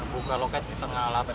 buka loket setengah delapan